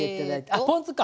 あポン酢か。